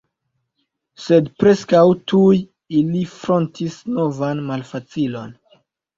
Sed preskaŭ tuj ili frontis novan malfacilon.